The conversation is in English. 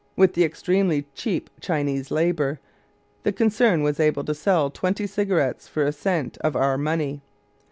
With the extremely cheap Chinese labor, the concern was able to sell twenty cigarettes for a cent of our money.